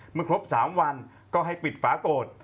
เมื่อครบ๓วันก็ให้ปิดฝาโกรธ